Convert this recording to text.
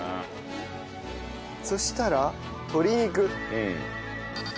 そしたら鶏肉。